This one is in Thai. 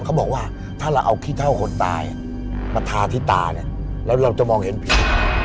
เขาบอกว่าถ้าเราเอาขี้เท่าคนตายมาทาที่ตาเนี่ยแล้วเราจะมองเห็นผี